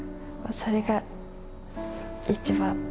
それが一番。